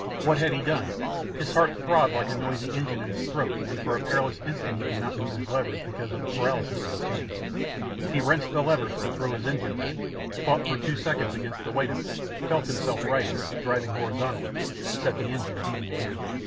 What had he done? His heart throbbed like a noisy engine in his throat and for a perilous instant he could not move his levers because of the paralysis of his hands. He wrenched the levers to throw his engine back, fought for two seconds against the weight of it, felt himself righting, driving horizontally, set the engine beating again.